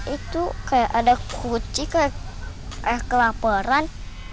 itu kaya ada kucing kaya kelaparan